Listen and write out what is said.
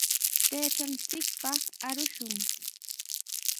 Taytanchikpaq arushun.